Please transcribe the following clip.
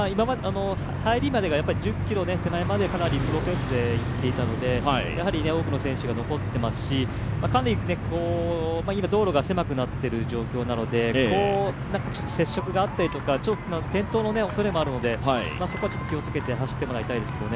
１０ｋｍ手前まで、スローペースでいっていたので多くの選手が残っていますし、今、道路が狭くなっている状況なので、接触があったりとか転倒のおそれもあるのでそこはちょっと気をつけて走ってもらいたいですけどね。